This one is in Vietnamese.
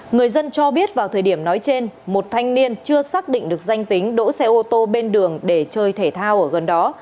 người dân cho biết vào thời điểm nói trên một thanh niên chưa xác định được danh tính đỗ xe ô tô bên đường để chơi thể thao ở gần đó